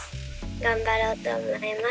頑張ろうと思います。